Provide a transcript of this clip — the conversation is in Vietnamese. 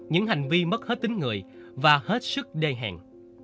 những hành vi mất hết tính người và hết sức đê hẹn